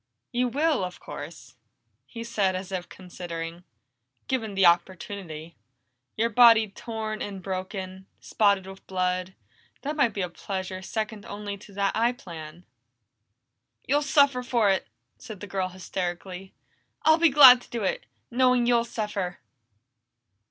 "You will, of course," he said as if considering. "Given the opportunity. Your body torn and broken, spotted with blood that might be a pleasure second only to that I plan." "You'll suffer for it!" said the girl hysterically. "I'll be glad to do it, knowing you'll suffer!"